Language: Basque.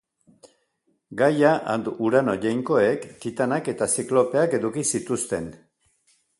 Gaia and Urano jainkoek Titanak eta Ziklopeak eduki zituzten.